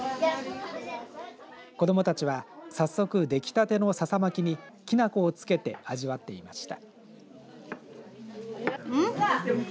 子どもたちは早速、出来たてのささ巻きにきな粉をつけて味わっていました。